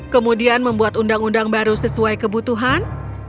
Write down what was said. kemudian membuat undang undang baru sesuai kebutuhan